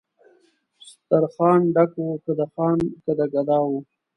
سترخان ډک و که د خان که د ګدا وو